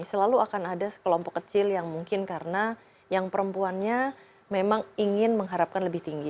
selalu akan ada sekelompok kecil yang mungkin karena yang perempuannya memang ingin mengharapkan lebih tinggi